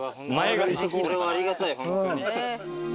これはありがたいホントに。